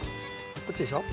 こっちでしょ？